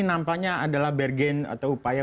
nampaknya adalah bergen atau upaya